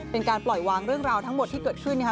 เป็นการปล่อยวางเรื่องราวทั้งหมดที่เกิดขึ้นนะคะ